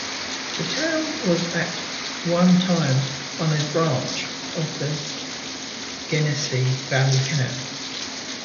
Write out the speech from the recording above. The town was at one time on a branch of the Genesee Valley Canal.